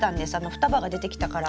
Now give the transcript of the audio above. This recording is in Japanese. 双葉が出てきたから。